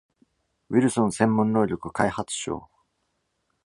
ウィルソン専門能力開発賞。